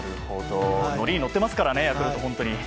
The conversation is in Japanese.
乗りに乗っていますからねヤクルト、本当に。